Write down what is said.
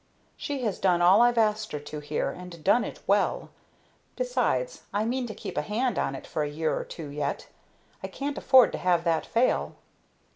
She has done all I've asked her to here, and done it well. Besides, I mean to keep a hand on it for a year or two yet I can't afford to have that fail."